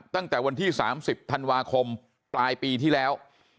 ตั้งแต่วันที่๓๐ธันวาคมปลายปีที่แล้ว